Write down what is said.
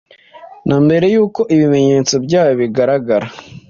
na mbere yuko ibimenyetso byayo bigaragara